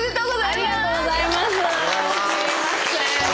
ありがとうございます。